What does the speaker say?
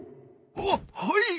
はっはい！